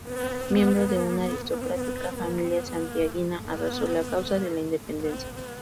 Miembro de una aristocrática familia santiaguina, abrazó la causa de la independencia.